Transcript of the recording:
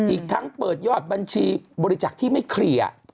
อีกทั้งเปิดยอดบัญชีบริจักษ์ที่ไม่เคลียร์